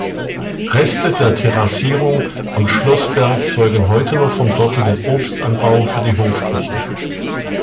Reste der Terrassierung am Schloßberg zeugen heute noch vom dortigen Obstanbau für die Hofküche.